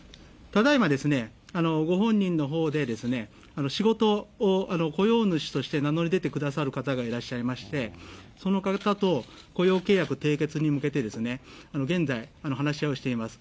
ただいまご本人のほうで、仕事を、雇用主として名乗り出てくださる方がいらっしゃいまして、その方と雇用契約締結に向けて、現在、話し合いをしています。